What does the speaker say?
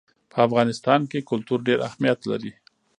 په افغانستان کې کلتور ډېر اهمیت لري.